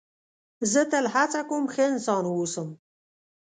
زه تل هڅه کوم ښه انسان و اوسم.